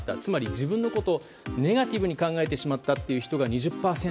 自分のことをネガティブに考えてしまったという人が２０％。